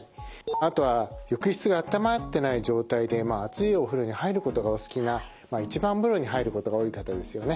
あとは浴室が暖まってない状態でまあ熱いお風呂に入ることがお好きな一番風呂に入ることが多い方ですよね。